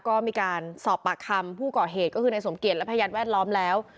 ก็มีการสอบปากคำผู้ก่อเหตุก็คือในสมเกียจและพยานแวดล้อมแล้ว